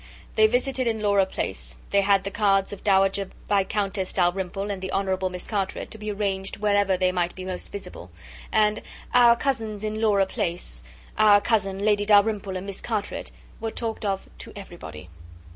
They visited in Laura Place, they had the cards of Dowager Viscountess Dalrymple, and the Honourable Miss Carteret, to be arranged wherever they might be most visible: and "Our cousins in Laura Place,"—"Our cousin, Lady Dalrymple and Miss Carteret," were talked of to everybody.